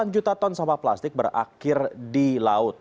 delapan juta ton sampah plastik berakhir di laut